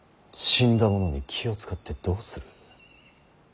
死んだ者に気を遣ってどうする。